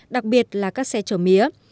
đặc biệt là các xe chở mía